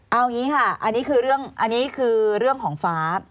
เอาอย่างนี้ค่ะอันนี้คือเรื่องของฟ้า